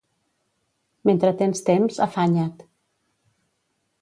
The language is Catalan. Mentre tens temps, afanya't.